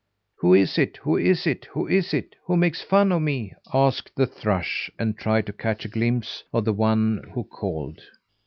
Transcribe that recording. "Who is it? Who is it? Who is it? Who makes fun of me?" asked the thrush, and tried to catch a glimpse of the one who called.